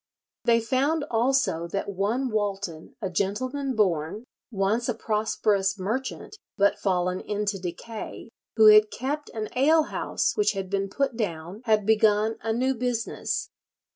They found also that one Walton, a gentleman born, once a prosperous merchant, "but fallen into decay," who had kept an alehouse which had been put down, had begun a "new business."